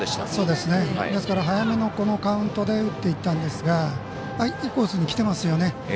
早めのカウントで打っていったんですがいいコースにきていますよね。